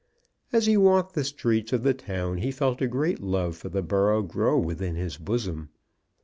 As he walked the streets of the town he felt a great love for the borough grow within his bosom.